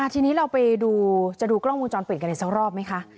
ทีนี้เราไปดูกล้องมูลจรเปลี่ยนกันในสักรอบไหมคะ